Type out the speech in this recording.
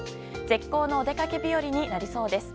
絶好のお出かけ日和になりそうです。